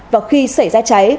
và khi xảy ra trái